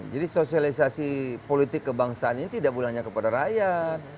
jadi sosialisasi politik kebangsaan ini tidak mulainya kepada rakyat